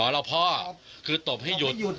แล้วพ่อคือตบให้หยุด